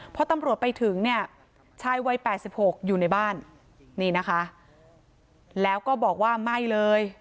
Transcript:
พอตำรวจไปถึงเนี่ยชายวัย๘๖อยู่ในบ้านนี่นะคะแล้วก็บอกว่าไม่เลย